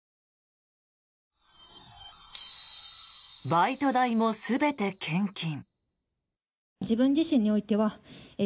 バイト代も全て献金。